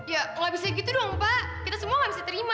ya nggak bisa gitu doang pak kita semua nggak bisa terima